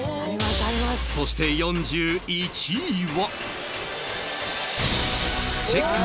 そして４１位は